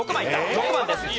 ６番です。